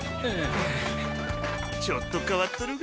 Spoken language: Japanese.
ちょっと変わっとるが。